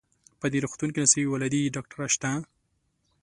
په دې روغتون کې نسایي ولادي ډاکټره شته؟